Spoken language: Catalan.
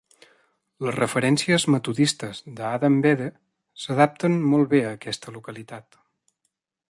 Les referències metodistes de "Adam Bede" s'adapten molt bé a aquesta localitat.